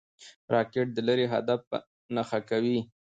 راکټ د لرې هدف په نښه کوي